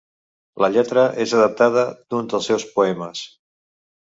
La lletra és adaptada d'un dels seus poemes.